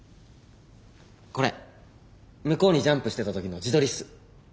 これ向こうにジャンプしてた時の自撮りっす。